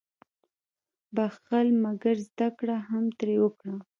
• بخښل، مګر زده کړه هم ترې وکړه.